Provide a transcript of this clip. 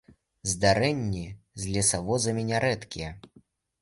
Здарэнні з лесавозамі нярэдкія.